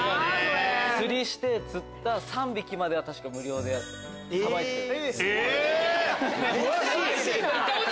釣りして釣った３匹までは確か無料でさばいてくれる。